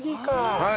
はい。